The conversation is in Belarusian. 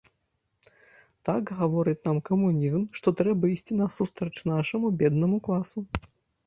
Так гаворыць нам камунізм, што трэба ісці насустрач нашаму беднаму класу.